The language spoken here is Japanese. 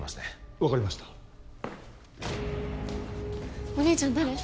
分かりましたお兄ちゃん誰？